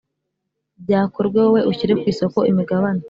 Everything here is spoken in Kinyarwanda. byakorwe wowe ushyire ku isoko imigabane.